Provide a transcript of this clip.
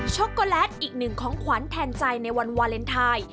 โกแลตอีกหนึ่งของขวัญแทนใจในวันวาเลนไทย